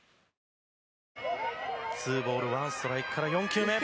２ボール１ストライクから４球目。